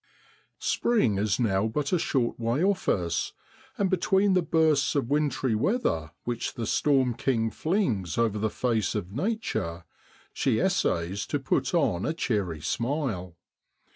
PKING is now but a short way off us, and between the bursts of wintry weather which the storm king flings over the face of Nature she essays to put on a cheery smile.